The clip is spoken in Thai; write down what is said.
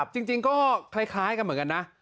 จริงก็คล้ายกันเหมือนกันนะ